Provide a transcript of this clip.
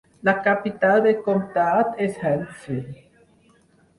La capital del comptat és Huntsville.